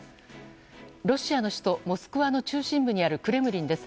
ロシアの首都モスクワの中心部にあるクレムリンです。